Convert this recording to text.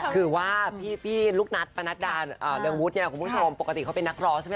คือว่าพี่ลูกนัทปนัดดาเรืองวุฒิเนี่ยคุณผู้ชมปกติเขาเป็นนักร้องใช่ไหม